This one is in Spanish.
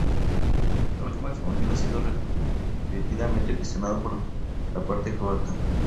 La última afirmación ha sido repetidamente cuestionada por la parte croata.